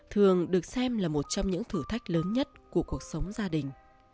thường được xem là một trong những thử thách lớn nhất của cuộc sống gia đình